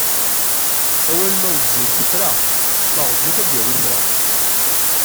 Awal ma wezzil tefra, ma ɣezzif ad d-yarew kra.